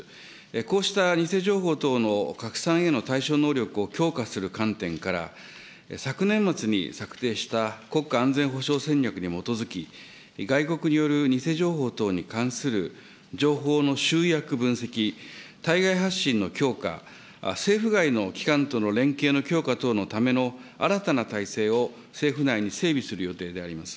こうした偽情報等の拡散への対処能力を強化する観点から、昨年末に策定した国家安全保障戦略に基づき、外国による偽情報等に関する情報の集約分析、対外発信の強化、政府外の機関との連携の強化等のための新たな体制を政府内に整備する予定であります。